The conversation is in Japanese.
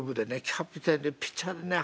キャプテンでピッチャーでね